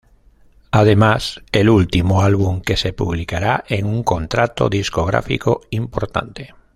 Además, el último álbum que se publicará en un contrato discográfico importante.